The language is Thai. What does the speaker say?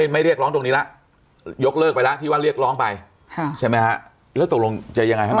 ไม่เรียกร้องตรงนี้ละยกเลิกไปละที่ว่าเรียกร้องไปใช่ไหมฮะ